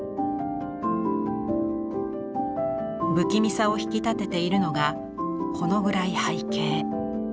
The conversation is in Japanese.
不気味さを引き立てているのがほの暗い背景。